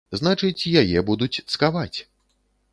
Значыць, яе будуць цкаваць.